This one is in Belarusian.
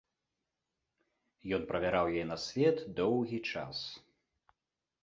Ён правяраў яе на свет доўгі час.